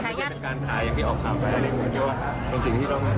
ไม่ใช่เป็นการถ่ายอย่างที่ออกข่าวไปแต่ว่าเป็นสิ่งที่ต้องสื่อสารให้สังคมเข้าใจ